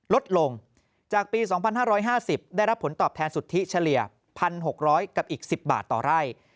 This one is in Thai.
ลดลงจากปี๒๕๕๐ได้รับผลตอบแทนสุทธิเฉลี่ย๑๖๐๐กับอีก๑๐บาทต่อไร่